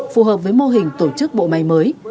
phù hợp với mô hình tổ chức bộ máy mới